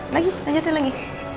lagi lanjutin lagi